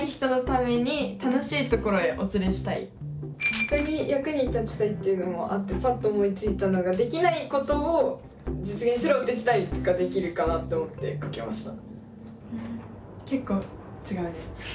人の役に立ちたいというのもあってぱっと思いついたのができないことを実現するお手伝いができるかなと思って書きました。